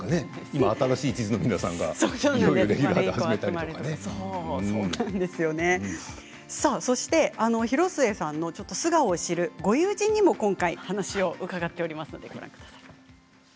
今、新しい地図の皆さんも広末さんの素顔を知るご友人にもお話を聞いています。